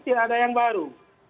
tidak ada yang baru